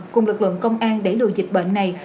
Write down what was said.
cùng lực lượng công an đẩy lùi dịch bệnh này